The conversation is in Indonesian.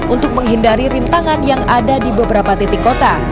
untuk menghindari rintangan yang ada di beberapa titik kota